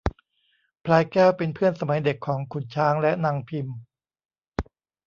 พลายแก้วเป็นเพื่อนสมัยเด็กของขุนช้างและนางพิม